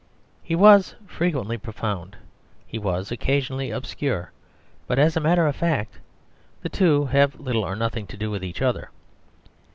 He was frequently profound, he was occasionally obscure, but as a matter of fact the two have little or nothing to do with each other.